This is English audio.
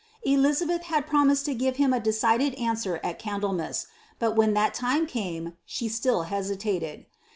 Elizabeth had promised to gin him a decided answer at Candlema^i ; but when that time came, she stil hesilated.